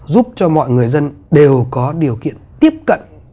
giúp cho mọi người dân đều có điều kiện tiếp cận